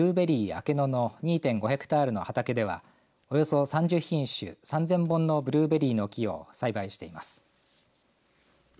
明野の２．５ヘクタールの畑ではおよそ３０品種３０００本のブルーベリーの木を栽培しています。